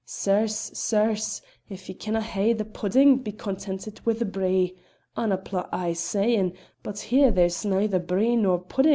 Sirs! sirs! 'If ye canna hae the puddin' be contented wi' the bree,' Annapla's aye sayin', but here there's neither bree nor puddin'.